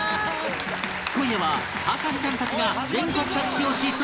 今夜は博士ちゃんたちが全国各地を疾走！